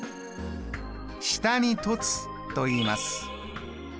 下に凸といいます。